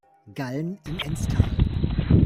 Gallen im Ennstal.